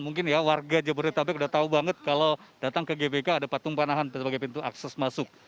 mungkin ya warga jabodetabek udah tahu banget kalau datang ke gbk ada patung panahan sebagai pintu akses masuk